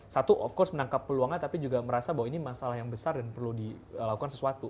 satu of course menangkap peluangnya tapi juga merasa bahwa ini masalah yang besar dan perlu dilakukan sesuatu